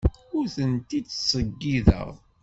Ur tent-id-ttṣeyyideɣ.